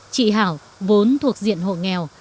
chị hảo vốn thuộc diện hộ nghèo